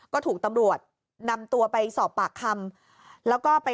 ก็ถูกตำรวจนำตัวไปสอบปากคำ